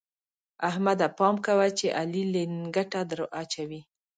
احمده! پام کوه چې علي لېنګته دراچوي.